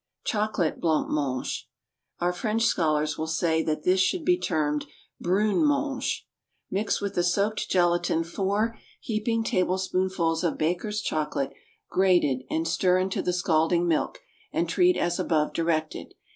Chocolate Blanc mange. (Our French scholars will say that this should be termed "Brun mange.") Mix with the soaked gelatine four heaping tablespoonfuls of Baker's chocolate, grated, and stir into the scalding milk, and treat as above directed.